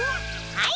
はい。